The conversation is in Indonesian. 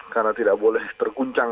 karena tidak boleh terguncang